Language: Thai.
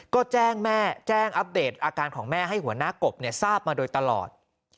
ก็แจ้งแม่แจ้งอัปเดตอาการของแม่ให้หัวหน้ากบทราบมาโดยตลอด